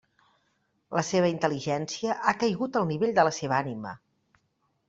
La seva intel·ligència ha caigut al nivell de la seva ànima.